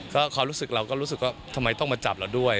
ก็ความรู้สึกเราก็รู้สึกว่าทำไมต้องมาจับเราด้วย